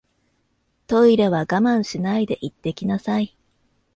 トイレは我慢しないで行ってきなさい